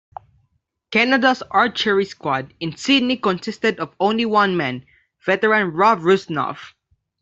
Canada's archery squad in Sydney consisted of only one man, veteran Rob Rusnov.